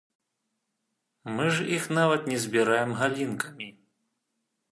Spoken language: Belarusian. Мы ж іх нават не збіраем галінкамі.